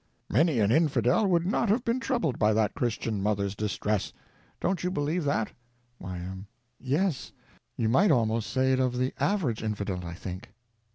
Many an infidel would not have been troubled by that Christian mother's distress. Don't you believe that? Y.M. Yes. You might almost say it of the average infidel, I think.